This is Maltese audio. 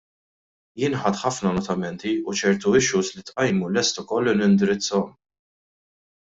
Jien ħadt ħafna notamenti u ċerti issues li tqajmu lest ukoll li nindirizzahom.